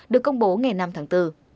được công bố ngày năm tháng bốn